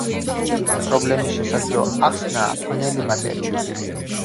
პრობლემის შესაძლო ახსნაა ბნელი მატერია.